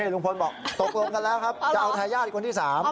ลุงพลบอกตกลงกันแล้วครับจะเอาทายาทคนที่๓